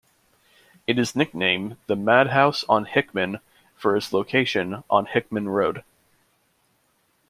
It is nicknamed the "Madhouse on Hickman" for its location on Hickman Road.